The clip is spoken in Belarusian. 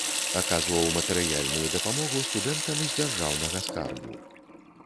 Аказваў матэрыяльную дапамогу студэнтам з дзяржаўнага скарбу.